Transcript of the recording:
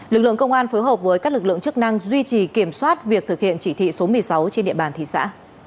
lực lượng công an phối hợp với các lực lượng chức năng duy trì kiểm soát việc thực hiện chỉ thị số một mươi sáu trên địa bàn thị xã